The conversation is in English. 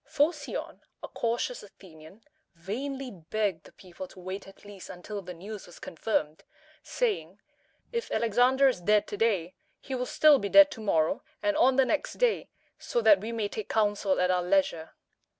Pho´cion, a cautious Athenian, vainly begged the people to wait at least until the news was confirmed, saying, "If Alexander is dead to day, he will still be dead to morrow and on the next day, so that we may take counsel at our leisure."